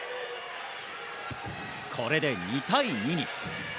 これで２対２に。